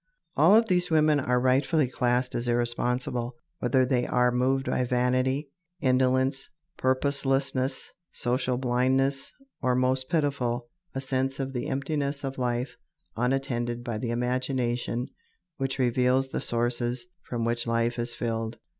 All of these women are rightfully classed as irresponsible, whether they are moved by vanity, indolence, purposelessness, social blindness, or, most pitiful, a sense of the emptiness of life unattended by the imagination which reveals the sources from which life is filled.